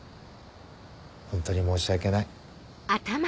本当に申し訳ない。